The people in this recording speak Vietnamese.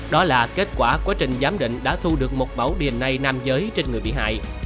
đó là kết quả quá trình giám định đã thu được một báu dna nam giới trên người bị hại